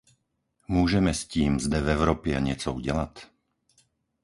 Můžeme s tím zde v Evropě něco udělat?